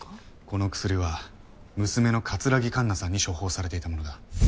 この薬は娘の木かんなさんに処方されていたものだ。